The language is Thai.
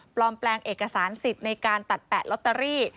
แปลงเอกสารสิทธิ์ในการตัดแปะลอตเตอรี่